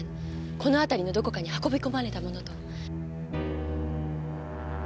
この辺りのどこかに運び込まれたものと。